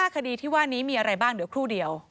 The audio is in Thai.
คดีที่ว่านี้มีอะไรบ้างเดี๋ยวครู่เดียว